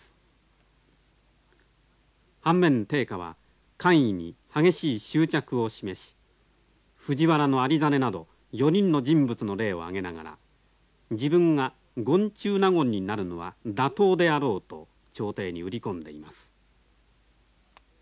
反面定家は官位に激しい執着を示し藤原有実など４人の人物の例を挙げながら自分が権中納言になるのは妥当であろうと朝廷に売り込んでいます。